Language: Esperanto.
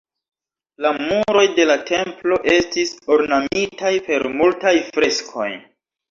La muroj de la templo estis ornamitaj per multaj freskoj.